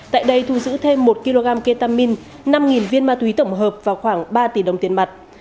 tại đây thu giữ thêm một kg ketamin năm viên ma túy tổng hợp và khoảng ba tỷ đồng tiền mặt